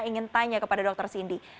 ingin tanya kepada dr cindy